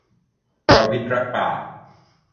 ประวิตรรักป่า